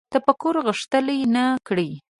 تفکر غښتلی نه کړي